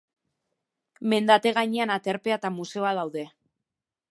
Mendate gainean aterpea eta museoa daude.